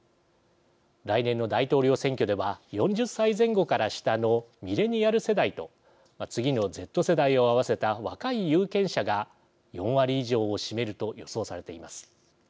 来年の大統領選挙では４０歳前後から下のミレニアル世代と次のＺ世代を合わせた若い有権者が４割以上を占めると予想されています。